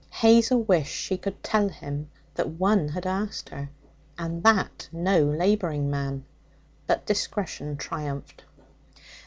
Hazel wished she could tell him that one had asked her, and that no labouring man. But discretion triumphed.